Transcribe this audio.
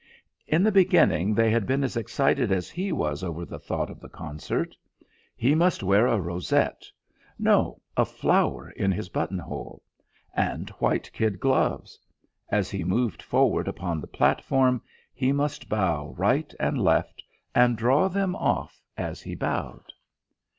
In the beginning they had been as excited as he was over the thought of the concert. He must wear a rosette no, a flower in his button hole; and white kid gloves; as he moved forward upon the platform, he must bow right and left, and draw them off as he bowed.